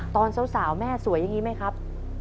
ตอนสาวแม่สวยอย่างนี้ไหมครับ